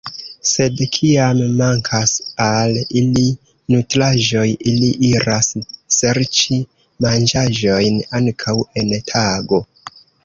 Sed kiam mankas al ili nutraĵoj, ili iras serĉi manĝaĵojn ankaŭ en tago.